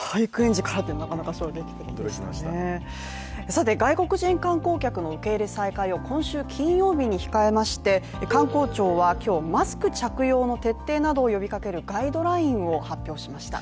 さて外国人観光客の受け入れ再開を今週金曜日に控えまして、観光庁は今日マスク着用の徹底などを呼びかけるガイドラインを発表しました